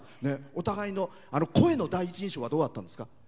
お互いの声の第一印象はどうだったんですか？